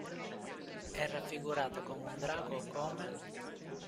È raffigurata come un drago o come